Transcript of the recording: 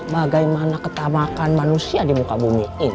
bagaimana ketamakan manusia di muka bumi